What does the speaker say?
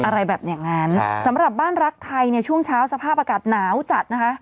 อะไรแบบอย่างนั้นสำหรับบ้านรักไทยในช่วงเช้าสภาพอากาศหนาวจัดนะคะ